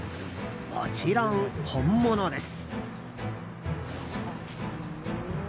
もちろん本物です。